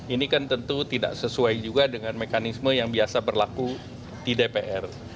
ini kan tentu tidak sesuai juga dengan mekanisme yang biasa berlaku di dpr